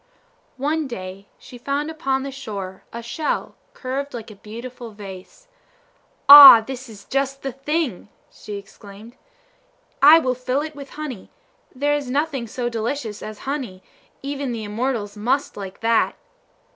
One day she found upon the shore a shell curved like a beautiful vase. "Ah, this is just the thing!" she exclaimed. "I will fill it with honey; there is nothing so delicious as honey; even the immortals must like that!"